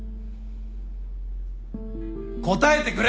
答えてくれ！